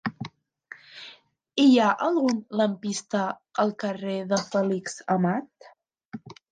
Hi ha algun lampista al carrer de Fèlix Amat?